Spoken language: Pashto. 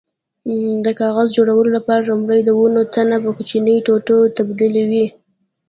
د کاغذ جوړولو لپاره لومړی د ونو تنه په کوچنیو ټوټو تبدیلوي.